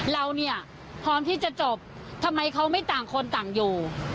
เราเนี่ยพร้อมที่จะจบทำไมเขาไม่ต่างคนต่างอยู่